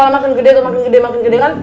makan gede makan gede makan gede kan